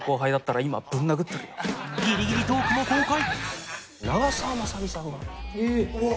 ギリギリトークも公開！